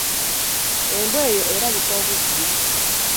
Embwa eyo erabika obubbi.